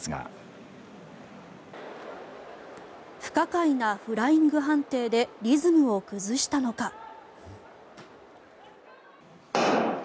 不可解なフライング判定でリズムを崩したのか。